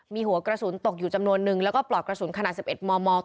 มีหัวกระสุนตกอยู่จำนวนนึงแล้วก็ปลอกกระสุนขนาด๑๑มม